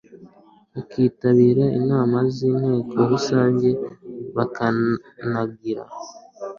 bakitabira inama z inteko rusange bakanagira